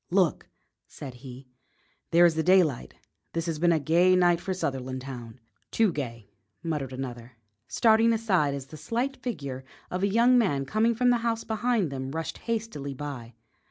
"Look!" said he; "there is the daylight! This has been a gay night for Sutherlandtown." "Too gay," muttered another, starting aside as the slight figure of a young man coming from the house behind them rushed hastily by.